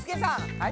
はい。